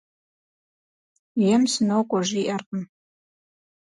Ем «сынокӀуэ» жиӀэркъым.